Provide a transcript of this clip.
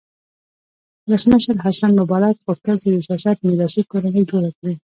ولسمشر حسن مبارک غوښتل چې د سیاست میراثي کورنۍ جوړه کړي.